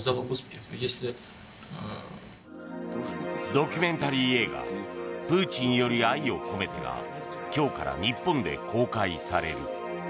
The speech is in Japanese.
ドキュメンタリー映画「プーチンより愛を込めて」が今日から日本で公開される。